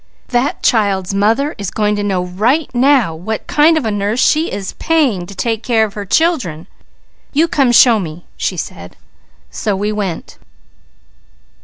That child's mother is going to know right now what kind of a nurse she is paying to take care of her children. You come show me,' she said, so we went.